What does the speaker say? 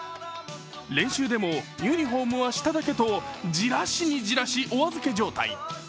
練習でもユニフォームは下だけとじらしにじらしおあずけ状態。